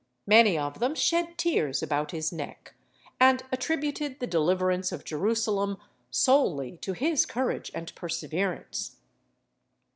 Many of them shed tears about his neck, and attributed the deliverance of Jerusalem solely to his courage and perseverance.